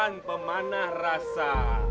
pangeran pemanah rasa